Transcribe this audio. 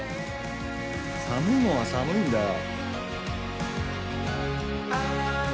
寒いもんは寒いんだよ。